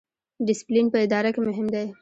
ډیسپلین په اداره کې مهم دی